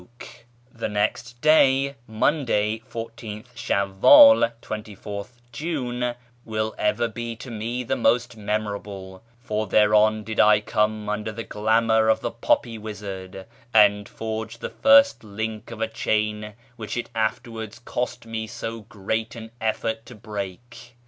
kirmAn society 485 The next day, Monday, 14th Shawwdl, 24th June, will ever l)e to me most memorable, for thereon did I come under the glamour of the Poppy wizard, and forge the first link of a chain which it afterwards cost me so great an effort to break.